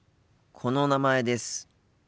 この「名前」です。